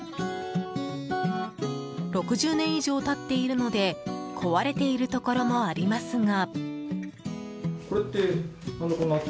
６０年以上経っているので壊れているところもありますが。